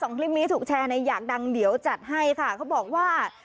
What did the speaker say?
คลิปนี้ถูกแชร์ในอยากดังเดี๋ยวจัดให้ค่ะเขาบอกว่า